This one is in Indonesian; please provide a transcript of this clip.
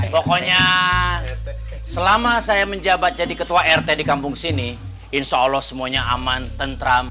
pokoknya selama saya menjabat jadi ketua rt di kampung sini insya allah semuanya aman tentram